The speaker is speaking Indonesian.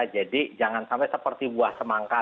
jadi jangan sampai seperti buah semangka